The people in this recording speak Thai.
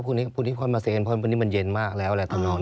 พวกนี้มันเย็นมากแล้ว